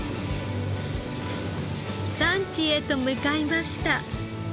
産地へと向かいました。